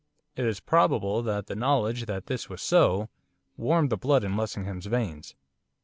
It is probable that the knowledge that this was so warmed the blood in Lessingham's veins.